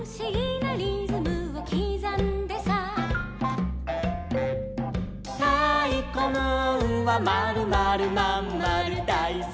「たいこムーンはまるまるまんまるだいすきなんだ」